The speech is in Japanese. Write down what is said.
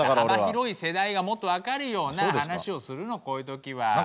幅広い世代がもっと分かるような話をするのこういう時は。